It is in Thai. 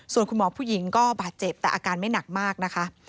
ส่วนคุณหมอผู้หญิงก็บาดเจ็บแต่อาการไม่หนักมากนะคะ